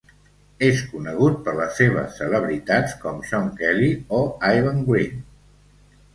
És conegut per les seves celebritats com Sean Kelly o Ivan Greene.